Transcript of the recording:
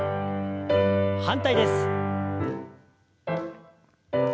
反対です。